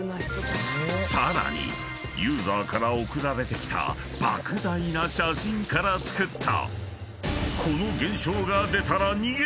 ［さらにユーザーから送られてきた莫大な写真から作った］